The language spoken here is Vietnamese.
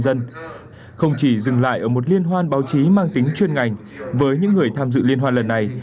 dân không chỉ dừng lại ở một liên hoan báo chí mang tính chuyên ngành với những người tham dự liên hoan lần này